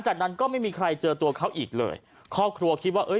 จากนั้นก็ไม่มีใครเจอตัวเขาอีกเลยครอบครัวคิดว่าเอ้ย